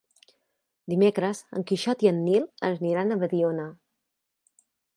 Dimecres en Quixot i en Nil aniran a Mediona.